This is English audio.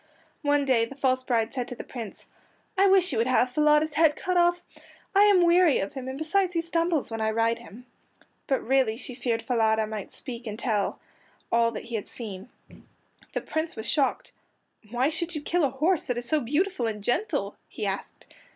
One day the false bride said to the Prince, "I wish you would have Falada's head cut off. I am weary of him, and besides he stumbles when I ride him." But really she feared Falada might speak and tell all he had seen. The Prince was shocked. "Why should you kill a horse that is so beautiful and gentle?" he asked.